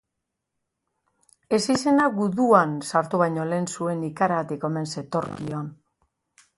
Ezizena guduan sartu baino lehen zuen ikaragatik omen zetorkion.